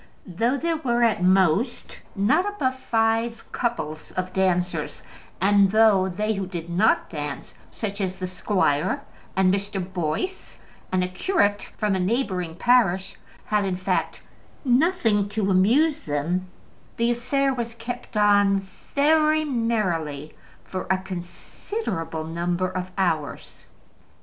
Though there were, at most, not above five couples of dancers, and though they who did not dance, such as the squire and Mr. Boyce, and a curate from a neighbouring parish, had, in fact, nothing to amuse them, the affair was kept on very merrily for a considerable number of hours.